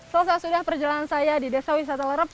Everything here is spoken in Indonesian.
selesai sudah perjalanan saya di desa wisata lerep